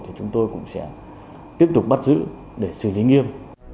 thì chúng tôi cũng sẽ tiếp tục bắt giữ để xử lý nghiêm